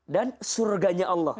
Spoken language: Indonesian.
dan surganya allah